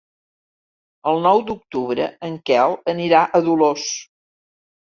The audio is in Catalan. El nou d'octubre en Quel anirà a Dolors.